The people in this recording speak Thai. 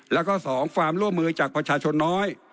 แล้วก็๒ความร่วมมือจากประชาชนน้อย